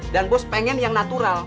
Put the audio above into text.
dan bos pengen yang natural